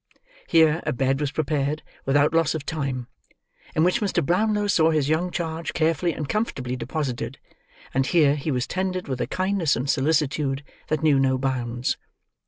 Here, a bed was prepared, without loss of time, in which Mr. Brownlow saw his young charge carefully and comfortably deposited; and here, he was tended with a kindness and solicitude that knew no bounds.